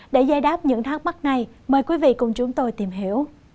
để giải đáp những thắc mắc này mời quý vị cùng chúng tôi tìm hiểu